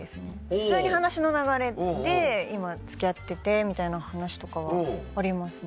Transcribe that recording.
普通に話の流れで「今付き合ってて」みたいな話とかはありますね。